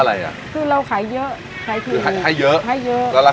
สวัสดีครับ